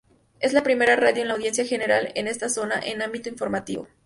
Es la primera radio en la audiencia general en esta zona en ámbito informativo.